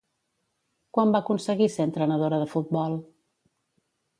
Quan va aconseguir ser entrenadora de futbol?